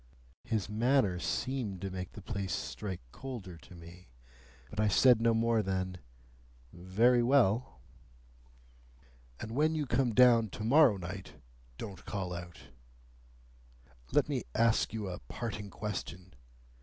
His manner seemed to make the place strike colder to me, but I said no more than, "Very well." "And when you come down to morrow night, don't call out! Let me ask you a parting question.